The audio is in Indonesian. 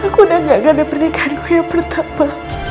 aku udah gagal di pernikahan gue yang pertama